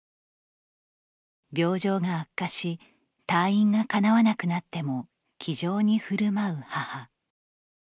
病状が悪化し退院がかなわなくなっても気丈に振るまう母。